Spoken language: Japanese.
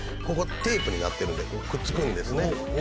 ここテープになってるんでくっつくんですね。